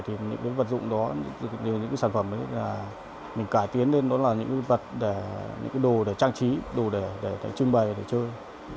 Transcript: thì những cái vật dụng đó đều những cái sản phẩm ấy là mình cải tiến lên đó là những cái vật để những cái đồ để trang trí đồ để trưng bày để chơi